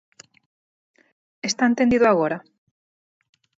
¿Está entendido agora?